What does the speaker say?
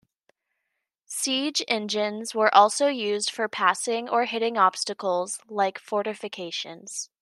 Siege engines were also used for passing or hitting obstacles like fortifications.